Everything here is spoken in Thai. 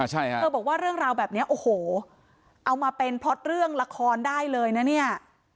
เธอบอกว่าเรื่องราวแบบนี้โอ้โหเอามาเป็นพล็อตเรื่องละครได้เลยนะเนี่ย